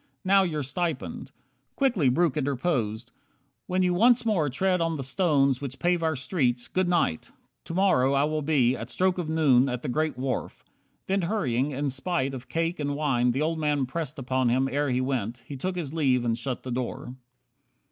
Now your stipend " Quickly Breuck interposed. "When you once more Tread on the stones which pave our streets. Good night! To morrow I will be, at stroke of noon, At the great wharf." Then hurrying, in spite Of cake and wine the old man pressed upon Him ere he went, he took his leave and shut the door.